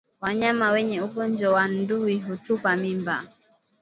Wanyama wenye ugonjwa wa ndui hutupa mimba